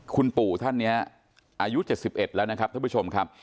คุณปู่ท่านนี้อายุ๗๑แล้วนะครับท่านผู้ชมครับ